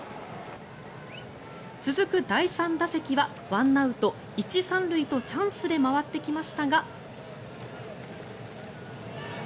続く第３打席は１アウト１・３塁とチャンスで回ってきましたが。